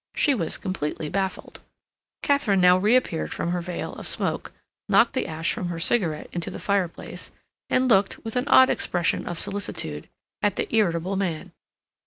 She was completely baffled. Katharine now reappeared from her veil of smoke, knocked the ash from her cigarette into the fireplace, and looked, with an odd expression of solicitude, at the irritable man.